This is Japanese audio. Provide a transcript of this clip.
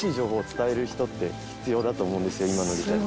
今の時代。